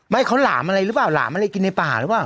ข้าวหลามอะไรหรือเปล่าหลามอะไรกินในป่าหรือเปล่า